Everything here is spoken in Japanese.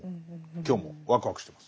今日もワクワクしてます。